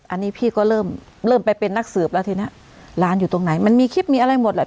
อันนี้พี่ก็เริ่มเริ่มไปเป็นนักสืบแล้วทีเนี้ยร้านอยู่ตรงไหนมันมีคลิปมีอะไรหมดแหละ